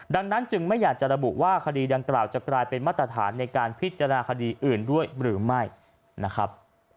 ดังนั้นจึงไม่อยากจะระบุว่าคดีดังกล่าวจะกลายเป็นมาตรฐานในการพิจารณาคดีอื่นด้วยหรือไม่นะครับ